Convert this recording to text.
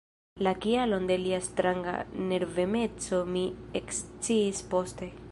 La kialon de lia stranga nervemeco mi eksciis poste.